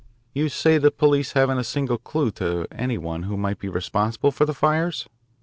"You say the police haven't a single clue to any one who might be responsible for the fires?"